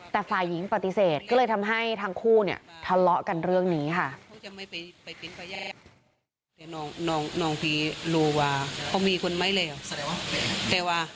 แต่ฝ่ายหญิงปฏิเสธก็เลยทำให้ทั้งคู่เนี่ยทะเลาะกันเรื่องนี้ค่ะ